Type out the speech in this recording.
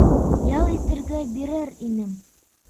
Ял итергә бирер инем.